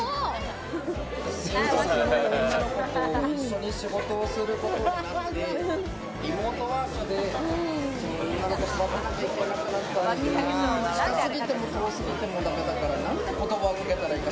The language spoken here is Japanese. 新卒の女の子と一緒に仕事をすることがあって、リモートワークでその女の子を育てなくてはいけなくなって近すぎても遠過ぎても駄目だから、なんて言葉をかけたらいいか。